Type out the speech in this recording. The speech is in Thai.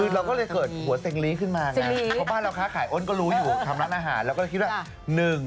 นอกจากความรักแล้วของพวกดีจริง